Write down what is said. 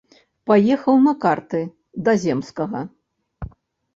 Паехаў на карты да земскага.